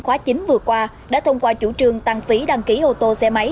khóa chín vừa qua đã thông qua chủ trương tăng phí đăng ký ô tô xe máy